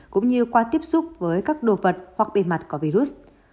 cũng như qua tiếp xúc với các đồ vật hoặc bề mặt có virus